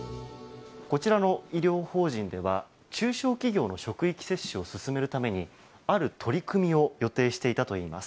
こちらの医療法人では中小企業の職域接種を進めるためにある取り組みを予定していたといいます。